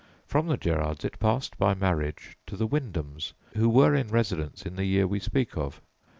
From the Gerards it passed by marriage to the Wyndhams, who were in residence in the year we speak of.